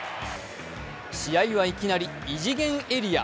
試合はいきなり異次元エリア。